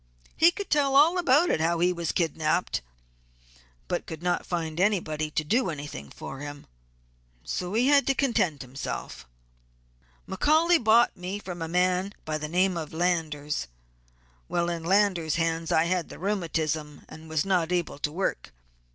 He could tell all about how he was kidnapped, but could not find anybody to do anything for him, so he had to content himself. "McCaully bought me from a man by the name of Landers. While in Landers' hands I had the rheumatism and was not able to work.